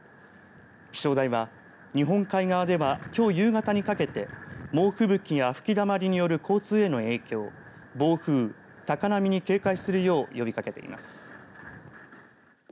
気象台は日本海側ではきょう夕方にかけて猛吹雪や吹きだまりによる交通への影響、暴風高波に警戒するよう呼びかけています。